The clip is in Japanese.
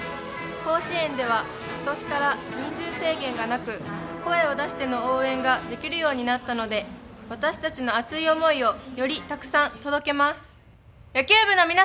甲子園では今年から人数制限がなく声を出しての応援ができるようになったので私たちの熱い思いをよりたくさん届けます。